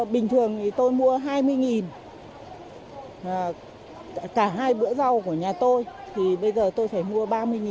bình thường thì tôi mua hai mươi cả hai bữa rau của nhà tôi thì bây giờ tôi phải mua ba mươi